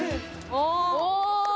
お！